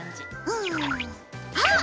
うんあっ！